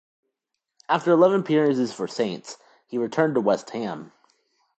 After eleven appearances for Saints he returned to West Ham.